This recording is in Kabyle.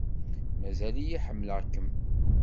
Mazal-iyi ḥemmleɣ-kem.